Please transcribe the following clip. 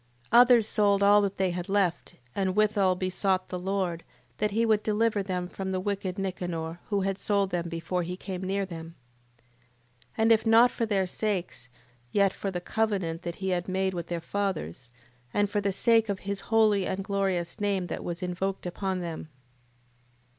8:14. Others sold all that they had left, and withal besought the Lord, that he would deliver them from the wicked Nicanor, who had sold them before he came near them: 8:15. And if not for their sakes, yet for the covenant that he had made with their fathers, and for the sake of his holy and glorious name that was invoked upon them.